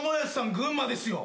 群馬ですよ。